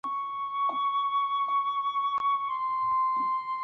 伊望主教是远东地区唯一继续效忠国外圣主教公会的主教。